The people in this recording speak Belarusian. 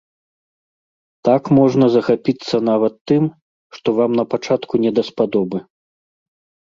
Так можна захапіцца нават тым, што вам напачатку не даспадобы.